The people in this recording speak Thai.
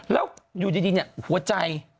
แล้วอยู่ดีหัวใจ